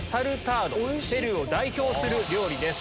ペルーを代表する料理です。